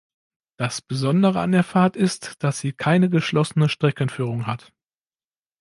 Das Besondere an der Fahrt ist, dass sie keine geschlossene Streckenführung hat.